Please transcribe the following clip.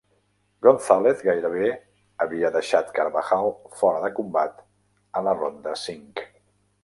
Gonzalez gairebé havia deixat Carbajal fora de combat a la ronda cinc.